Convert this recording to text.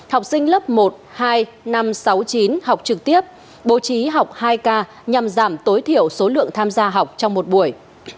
học sinh lớp một hai năm trăm sáu mươi chín học trực tiếp bố trí học hai k nhằm giảm tối thiểu số lượng tham gia học trong một buổi